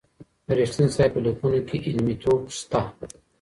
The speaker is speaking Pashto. د رښتین صاحب په لیکنو کي علمي توب شته.